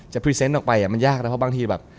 พรีเซนต์ออกไปมันยากนะเพราะบางทีแบบ